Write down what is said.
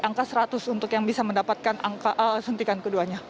jadi angka seratus untuk yang bisa mendapatkan angka sentikan keduanya